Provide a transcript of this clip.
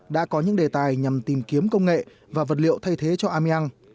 đã có những đề tài nhằm tìm kiếm công nghệ và vật liệu thay thế cho ameang